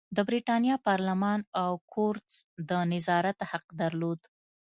د برېتانیا پارلمان او کورتس د نظارت حق درلود.